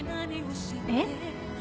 えっ？